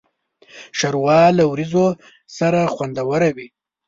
ښوروا له وریژو سره خوندوره وي.